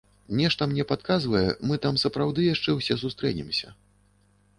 Нешта мне падказвае, мы там сапраўды яшчэ ўсе сустрэнемся.